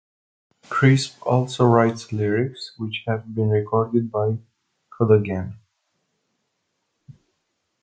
Crisp also writes lyrics, which have been recorded by Kodagain.